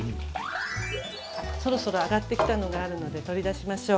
そろそろ揚がってきたのがあるので取り出しましょう。